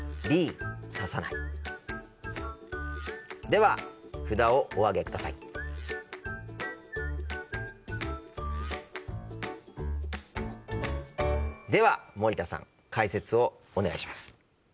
では札をお上げください。では森田さん解説をお願いします。